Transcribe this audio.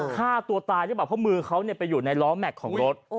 ฆ่าตัวตายหรือเปล่าเพราะมือเขาไปอยู่ในล้อแม็กซ์ของรถ